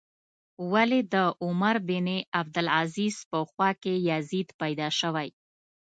ولې د عمر بن عبدالعزیز په خوا کې یزید پیدا شوی.